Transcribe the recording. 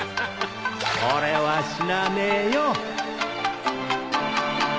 俺は死なねえよ！